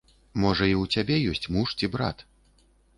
Можа і ў цябе ёсць муж ці брат.